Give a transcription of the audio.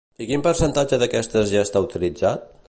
I quin percentatge d'aquestes ja està utilitzat?